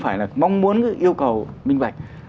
phải là mong muốn yêu cầu minh bạch